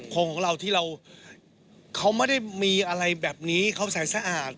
ของเราที่เราเขาไม่ได้มีอะไรแบบนี้เขาใส่สะอาด